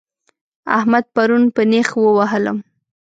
احمد پرون په نېښ ووهلم